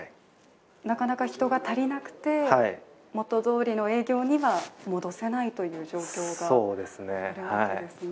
なかなか人が足りなくて元通りの営業には戻せないという状況があるわけですね。